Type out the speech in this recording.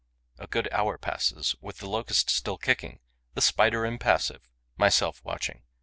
A good hour passes, with the Locust still kicking, the Spider impassive, myself watching.